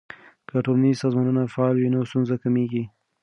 که ټولنیز سازمانونه فعال وي نو ستونزې کمیږي.